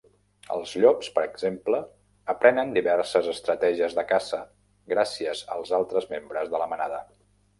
Els llops, per exemple, aprenen diverses estratègies de caça gràcies als altres membres de la manada.